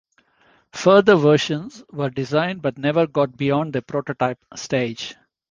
Further versions were designed but never got beyond the prototype stage.